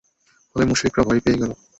ফলে মুশরিকরা ভয় পেয়ে গেল।